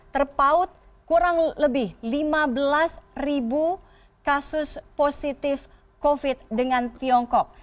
terpaut kurang lebih lima belas ribu kasus positif covid dengan tiongkok